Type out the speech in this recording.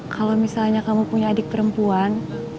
kalau misalnya kamu punya adik perempuan